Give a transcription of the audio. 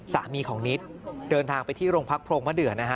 สามีของนิดเดินทางไปที่โรงพักโพรงมะเดือนะฮะ